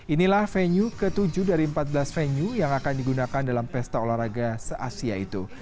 inilah venue ketujuh dari empat belas venue yang akan digunakan dalam pesta olahraga se asia itu